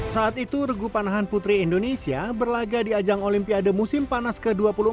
saat itu regu panahan putri indonesia berlaga di ajang olimpiade musim panas ke dua puluh empat